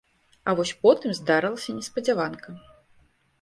А вось потым здарылася неспадзяванка.